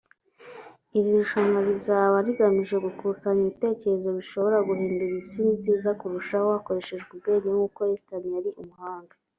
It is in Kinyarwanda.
iri rushanwa rizaba rigamije gukusanya ibitekerezo bishobora guhindura isi nziza kurushaho hakoreshejwe ubwenge nk’uko Einstein yari umuhanga